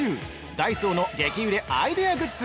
ダイソーの激売れアイデアグッズ